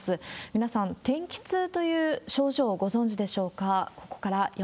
皆さん、天気痛という症状をご存じでしょうか。